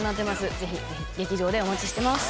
ぜひ劇場でお待ちしてます。